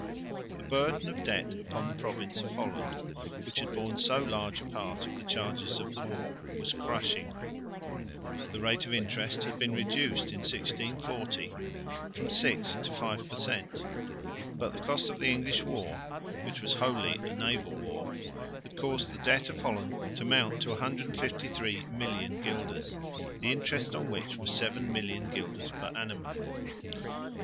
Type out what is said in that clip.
The burden of debt upon the province of Holland, which had borne so large a part of the charges of the war, was crushing. The rate of interest had been reduced in 1640 from 6 J to 5 per cent. But the cost of the English war, which was wholly a naval war, had caused the debt of Holland to mount to 153,000,000 guilders, the interest on which was 7,000,000 guilders per annum.